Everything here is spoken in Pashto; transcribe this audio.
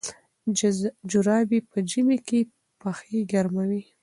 جرابې په ژمي کې پښې ګرموي.